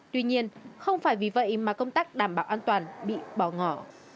tuy nhiên không phải vì vậy mà công tác đảm bảo an toàn bị bỏ ngỏ